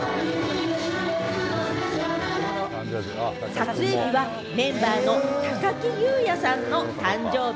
撮影日はメンバーの高木雄也さんの誕生日。